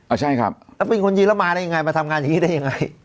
อ่าใช่ครับแล้วเป็นคนยีรมณ์ได้ยังไงมาทำงานอย่างงี้ได้ยังไง